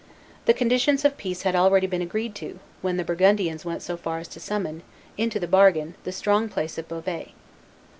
The conditions of peace had already been agreed to, when the Burgundians went so far as to summon, into the bargain, the strong place of Beauvais.